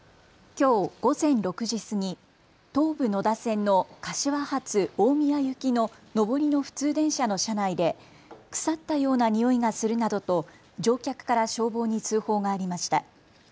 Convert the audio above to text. きょう午前６時過ぎ、東武野田線の柏発大宮行きの上りの普通電車の車内で腐ったようなにおいがするなどと乗客から消防に通報がありました。